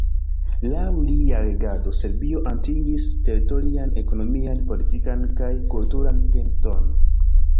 Laŭ lia regado Serbio atingis teritorian, ekonomian, politikan kaj kulturan pinton.